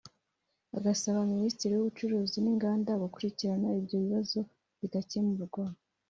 agasaba Minisitiri w’ ubucuruzi n’ inganda gukurikirana ibyo bibazo bigakemurwa